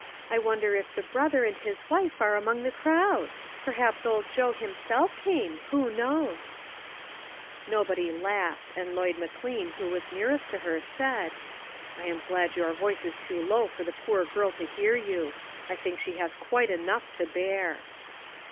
I wonder if the brother and his wife are among the crowd? Perhaps Old Joe him self came ; who knows ?" Nobody laughed, and Lloyd McLean, who was nearest to her, said :" I am glad your voice is too low for the poor girl to hear you. I think she has quite enough to bear."